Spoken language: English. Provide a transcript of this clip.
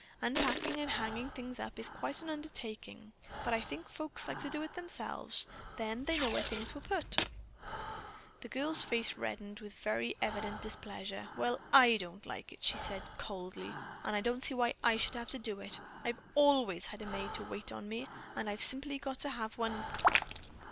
Unpacking and hanging things up is quite an undertaking, but I think folks like to do it themselves, then they know where things were put." The girl's face reddened in very evident displeasure. "Well, I don't like it," she said coldly, "and I don't see why I should have to. I've always had a maid to wait on me, and I've simply got to have one.